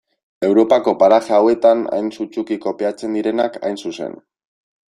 Europako paraje hauetan hain sutsuki kopiatzen direnak hain zuzen.